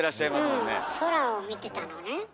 うん空を見てたのね。